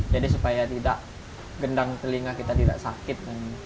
jadi supaya tidak gendang telinga kita tidak sakit